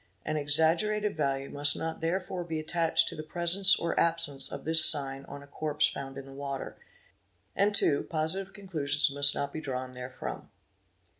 An exaggerated value must not therefore be attached to the presence or absence of this sign on 'a corpse found in the water; and too positive conclusions must not be drawn therefrom.